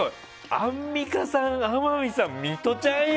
アンミカさん、天海さんミトちゃんよ？